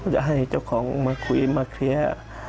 จะให้เจ้าของมาคุยมาเคลียร์